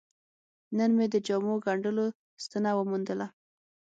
نن مې د جامو ګنډلو ستنه وموندله.